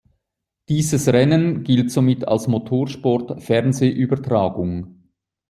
Dieses Rennen gilt somit als Motorsport-Fernsehübertragung.